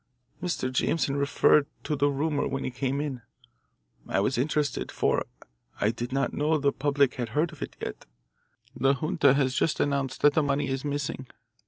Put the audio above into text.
"Mr. Jameson referred to the rumour when he came in. I was interested, for I did not know the public had heard of it yet. The junta has just announced that the money is missing.